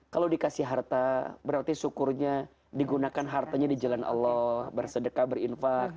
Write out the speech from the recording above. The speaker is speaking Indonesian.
kalau dikasih harta berarti syukurnya digunakan hartanya di jalan allah bersedekah berinfak